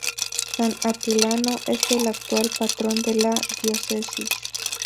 San Atilano es el actual patrón de la diócesis.